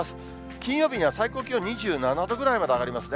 金曜日には最高気温２７度ぐらいまで上がりますね。